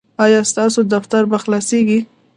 ایا ستاسو دفتر به خلاصیږي؟